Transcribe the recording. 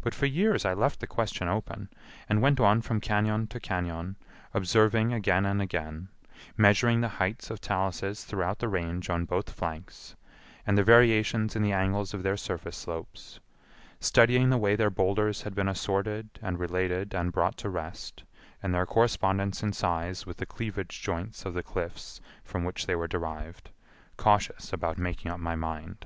But for years I left the question open, and went on from cañon to cañon, observing again and again; measuring the heights of taluses throughout the Range on both flanks, and the variations in the angles of their surface slopes; studying the way their boulders had been assorted and related and brought to rest, and their correspondence in size with the cleavage joints of the cliffs from whence they were derived, cautious about making up my mind.